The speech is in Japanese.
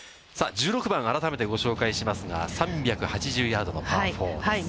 １６番、改めてご紹介しますが、３８０ヤードのパー４です。